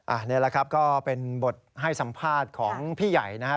อันนี้แหละครับก็เป็นบทให้สัมภาษณ์ของพี่ใหญ่นะครับ